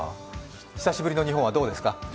久しぶりの日本はどうですか。